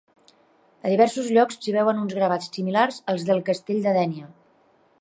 A diversos llocs s'hi veuen uns gravats similars als del Castell de Dénia.